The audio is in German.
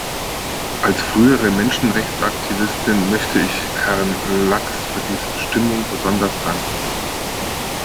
Als frühere Menschenrechtsaktivistin möchte ich Herrn Lax für diese Bestimmung besonders danken.